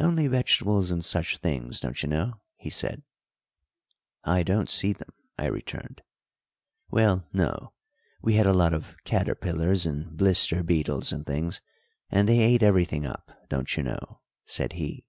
"Only vegetables and such things, don't you know," he said. "I don't see them," I returned. "Well, no; we had a lot of caterpillars and blister beetles and things, and they ate everything up, don't you know," said he.